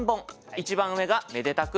一番上がめでたく